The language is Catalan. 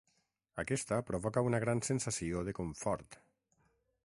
Aquesta provoca una gran sensació de comfort.